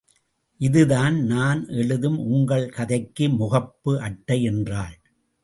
இதுதான் நான் எழுதும் உங்கள் கதைக்கு முகப்பு அட்டை என்றாள்.